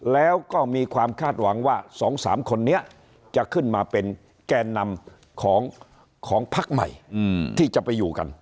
แล้วก็มีความคาดหวังว่า๒๓คนนี้จะขึ้นมาเป็นแกนนำของพักใหม่ที่จะไปอยู่กัน